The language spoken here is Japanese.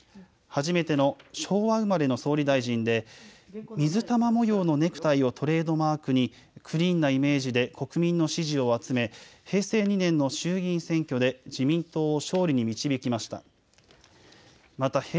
初めての昭和生まれの総理大臣で水玉模様のネクタイをトレードマークにクリーンなイメージで国民の支持を集め、平成２年の衆議院選挙で自民党を勝利に導きました。